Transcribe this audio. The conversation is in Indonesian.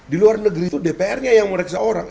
di luar negeri itu dpr nya yang meriksa orang